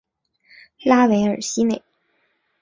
拉韦尔西内。